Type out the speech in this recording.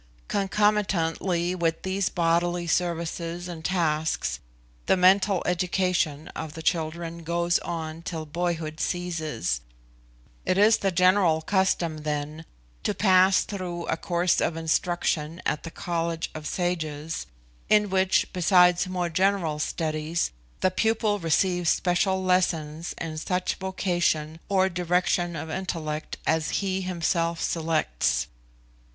Concomitantly with these bodily services and tasks, the mental education of the children goes on till boyhood ceases. It is the general custom, then, to pass though a course of instruction at the College of Sages, in which, besides more general studies, the pupil receives special lessons in such vocation or direction of intellect as he himself selects.